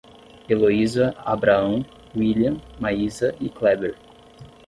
Eloiza, Abraão, Wílian, Maísa e Kléber